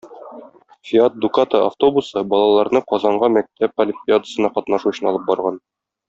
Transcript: "Фиат Дукато" автобусы балаларны Казанга мәктәп олимпиадасында катнашу өчен алып барган.